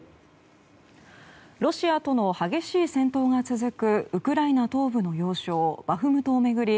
ロシアとの激しい戦闘が続くウクライナ東部の要衝バフムトを巡り